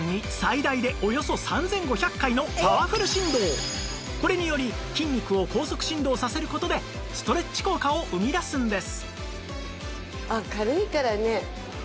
こちらはこれにより筋肉を高速振動させる事でストレッチ効果を生み出すんです